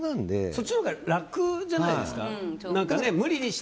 そっちのほうが楽じゃないですか。